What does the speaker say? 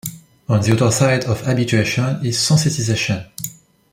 On the other side of habituation is sensitization.